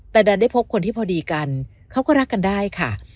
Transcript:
แต่ดันได้พบคนที่พอดีกันเขาก็รักกันได้ค่ะ